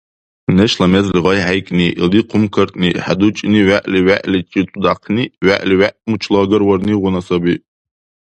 Нешла мезли гъайхӀейкӀни, илди хъумкартни, хӀедучӀни вегӀли вегӀличи тудяхъни, вегӀли вегӀ мучлаагарварнигъуна саби.